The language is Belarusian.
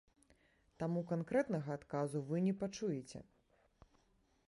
Таму канкрэтнага адказу вы не пачуеце.